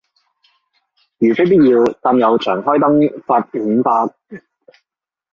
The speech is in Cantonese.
如非必要但又長開燈，罰五百